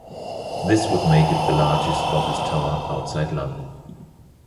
This would make it the largest office tower outside London.